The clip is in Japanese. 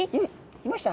いました？